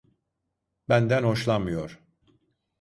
Benden hoşlanmıyor.